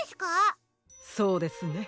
そうですね。